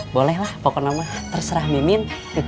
boleh lah pokoknya terserah mimin